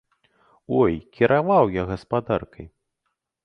Ой, кіраваў я гаспадаркай!